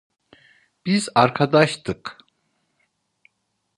Biz arkadaştık.